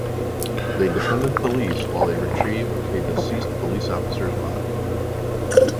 They defended police while they retrieved a deceased police officer's body.